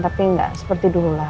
tapi tidak seperti dulu